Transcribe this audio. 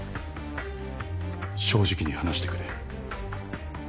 正直に話してくれ。